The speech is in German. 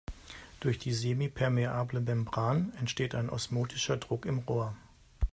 Durch die semipermeable Membran entsteht ein osmotischer Druck im Rohr.